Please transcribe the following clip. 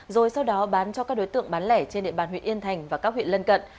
rồi sau đó bán cho các đối tượng bán lẻ trên địa bàn huyện yên thành và các huyện lân cận